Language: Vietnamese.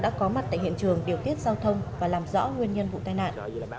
đã có mặt tại hiện trường điều tiết giao thông và làm rõ nguyên nhân vụ tai nạn